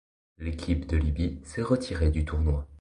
L'équipe de Libye s'est retirée du tournoi.